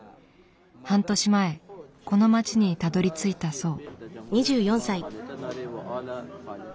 半年前この街にたどりついたそう。